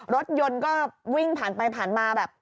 รถยนต์ก็วิ่งผ่านไปผ่านมาแบบ